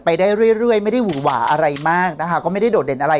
ไปได้เรื่อยไม่ได้หวูหวาอะไรมากนะคะก็ไม่ได้โดดเด่นอะไร